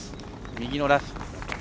右のラフ。